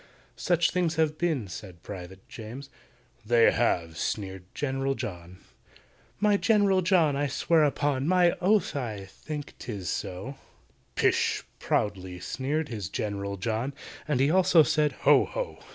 Such things have been," said PRIVATE JAMES. "They have!" sneered GENERAL JOHN. "My GENERAL JOHN, I swear upon My oath I think 'tis so—" "Pish!" proudly sneered his GENERAL JOHN, And he also said "Ho! ho!"